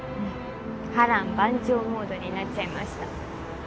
波乱万丈モードになっちゃいました。